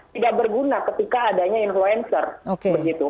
tidak berguna ketika adanya influencer begitu